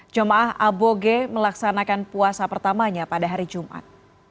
jemaah aboge melaksanakan puasa pertamanya pada hari jumat